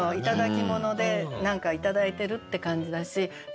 頂き物で何か頂いてるって感じだし。